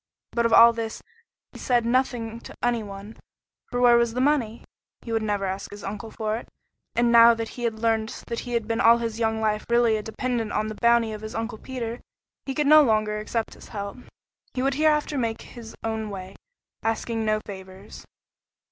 But of all this he said nothing to any one, for where was the money? He would never ask his uncle for it, and now that he had learned that he had been all his young life really a dependent on the bounty of his Uncle Peter, he could no longer accept his help. He would hereafter make his own way, asking no favors.